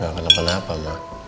gak kenapa kenapa ma